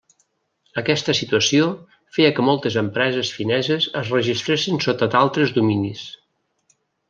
Aquesta situació feia que moltes empreses fineses es registressin sota d'altres dominis.